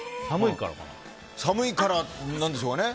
寒いからなんでしょうかね。